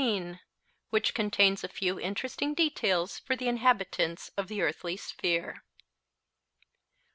WHICH CONTAINS A FEW INTERESTING DETAILS FOR THE INHABITANTS OF THE EARTHLY SPHERE.